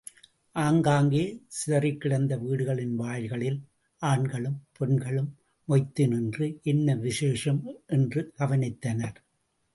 ஆங்காங்கே சிதறிக்கிடந்த வீடுகளின் வாயில்களில் ஆண்களும் பெண்களும் மொய்த்து நின்று, என்ன விசேஷம் என்று கவனித்தனர்.